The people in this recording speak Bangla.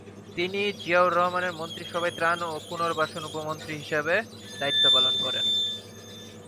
তিনি জিয়াউর রহমানের মন্ত্রিসভায় ত্রাণ ও পুনর্বাসন উপমন্ত্রী হিসেবে দায়িত্ব পালন করেন।